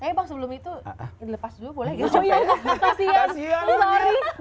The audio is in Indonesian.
tapi bang sebelum itu lepas dulu boleh gak